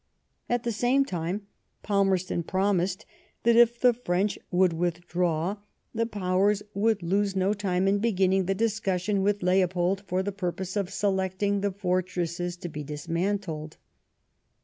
At the same time Palmerston promised, that if the French would withdraw, the Powers would lose no time in beginning the discussion with Leopold for the purpose of selecting the fortresses to be dismantled.